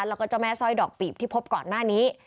แล้วก็เจ้าแม่สร้อยดอกปีบที่พบก่อนหน้านี้